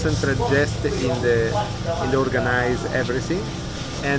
dan mulai fokus pada menguruskan semuanya